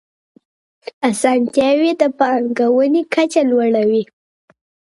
اسانتیاوي د پانګونې کچه لوړوي.